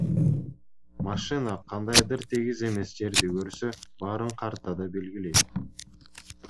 Машина кандайдыр тегиз эмес жерди көрсө, баарын картада белгилейт.